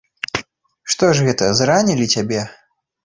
Што ж гэта, зранілі цябе?